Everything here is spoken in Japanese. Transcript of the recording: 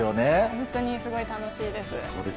本当にすごい楽しいです。